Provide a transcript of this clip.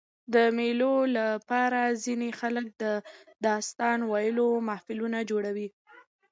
د مېلو له پاره ځيني خلک د داستان ویلو محفلونه جوړوي.